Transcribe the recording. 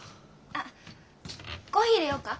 あっコーヒーいれようか？